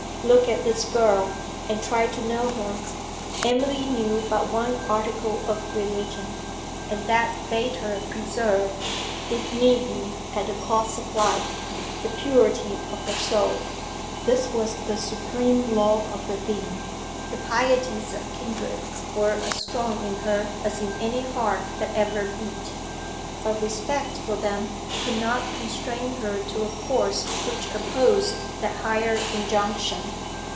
Look at this girl, and try to know her. Emily knew but one article of religion, and that bade her preserve, if need be, at the cost of life, the purity of her soul. This was the supreme law of her being. The pieties of kindred were as strong in her as in any heart that ever beat, but respect for them Could not constrain her to a course which opposed that higher injunction.